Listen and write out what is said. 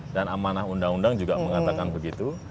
dan amanah undang undang juga mengatakan begitu